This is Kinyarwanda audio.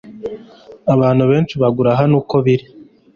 Abantu benshi bagura hano uko biri